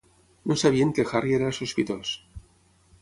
No sabien que Harry era sospitós.